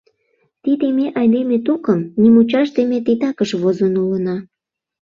Тиде ме, айдеме тукым, нимучашдыме титакыш возын улына.